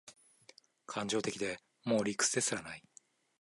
感情的で、もう理屈ですらない